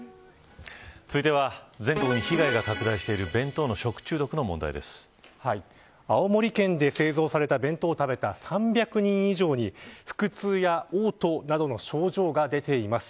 続いては全国に被害が拡大している青森県で製造された弁当を食べた３００人以上に腹痛や嘔吐などの症状が出ています。